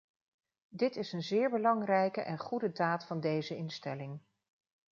Dit is een zeer belangrijke en goede daad van deze instelling.